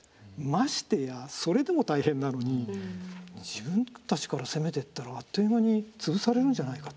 ましてやそれでも大変なのに自分たちから攻めてったらあっという間に潰されるんじゃないか。